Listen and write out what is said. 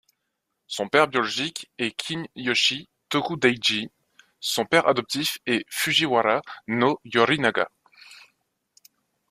Son père biologique est Kin'yoshi Tokudaiji, son père adoptif est Fujiwara no Yorinaga.